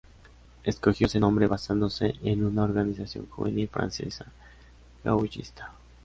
Escogió ese nombre basándose en una organización juvenil francesa gaullista.